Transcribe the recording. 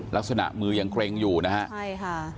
ลักษณะมือยังเกรงอยู่นะครับ